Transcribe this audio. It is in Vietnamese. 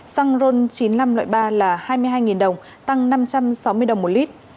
xăng ron chín mươi năm loại ba là hai mươi hai đồng tăng năm trăm sáu mươi đồng một lít